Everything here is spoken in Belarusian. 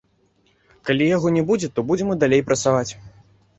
Калі яго не будзе, то будзем і далей працаваць.